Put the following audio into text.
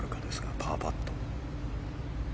パーパット。